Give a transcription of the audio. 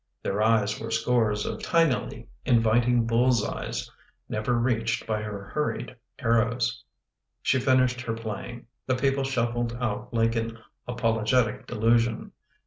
Their eyes were scores of tinily inviting bulls eyes never reached by her hurried arrows. She finished her playing; the people shuffled out like an apologetic delusion.